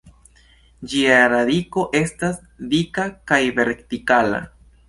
Ĝia radiko estas dika kaj vertikala.